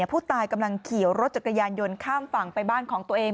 ผู้ตายกำลังขี่รถจักรยานยนต์ข้ามฝั่งไปบ้านของตัวเอง